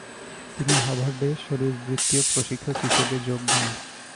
তিনি হার্ভার্ডে শরীরবৃত্তীয় প্রশিক্ষক হিসেবে যোগ দেন।